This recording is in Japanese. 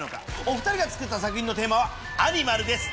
お２人が作った作品のテーマは「アニマル」です。